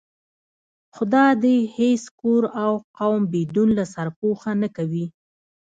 خدا دې هېڅ کور او قوم بدون له سرپوښه نه کوي.